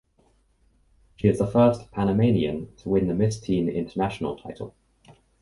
She is the first Panamanian to win the Miss Teen International title.